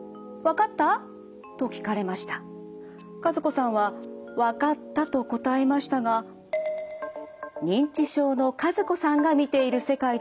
和子さんはわかったと答えましたが認知症の和子さんが見ている世界では。